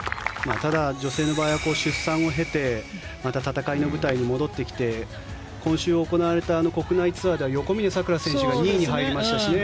ただ、女性の場合は出産を経てまた戦いの舞台に戻ってきて今週行われた国内ツアーでは横峯さくら選手が２位に入りましたしね。